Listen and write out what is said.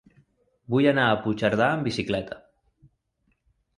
Vull anar a Puigcerdà amb bicicleta.